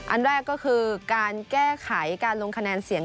อันแรกก็คือการแก้ไขการลงคะแนนเสียง